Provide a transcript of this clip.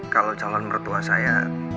kalau calon mertua saya